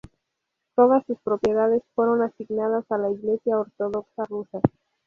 Todas sus propiedades fueron asignadas a la Iglesia ortodoxa rusa.